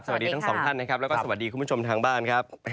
สวัสดีทั้งสองท่านนะครับแล้วก็สวัสดีคุณผู้ชมทางบ้านครับ